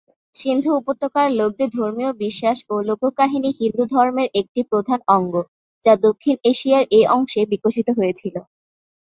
সিন্ধু উপত্যকার লোকদের ধর্মীয় বিশ্বাস ও লোককাহিনী হিন্দু ধর্মের একটি প্রধান অঙ্গ, যা দক্ষিণ এশিয়ার এই অংশে বিকশিত হয়েছিল।